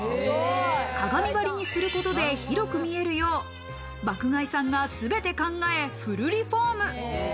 鏡張りにすることで広く見えるよう、爆買いさんが全て考えフルリフォーム。